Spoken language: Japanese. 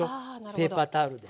ペーパータオルで。